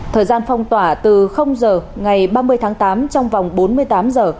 thời gian phong tỏa từ giờ ngày ba mươi tháng tám trong vòng bốn mươi tám giờ